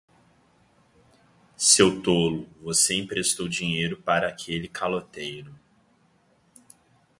Seu tolo, você emprestou dinheiro para aquele caloteiro.